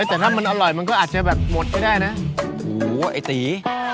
แต่ถ้ามันอร่อยมันก็อาจจะแบบหมดก็ได้นะโหไอ้ตี